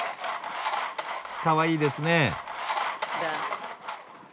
かわいいですね。